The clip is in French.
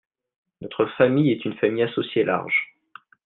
Notre famille est une famille associée large.